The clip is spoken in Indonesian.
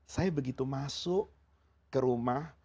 saya begitu masuk ke rumah